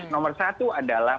nomor satu adalah